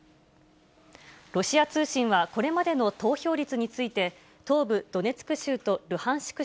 ロシア通信はこれまでの投票率について、東部ドネツク州とルハンシク